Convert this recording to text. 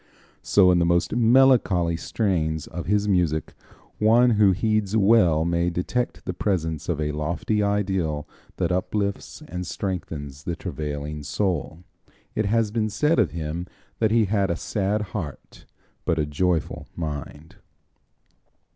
So in the most melancholy strains of his music one who heeds well may detect the presence of a lofty ideal that uplifts and strengthens the travailing soul. It has been said of him that he had a sad heart but a joyful mind.